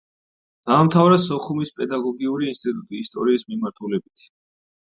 დაამთავრა სოხუმის პედაგოგიური ინსტიტუტი, ისტორიის მიმართულებით.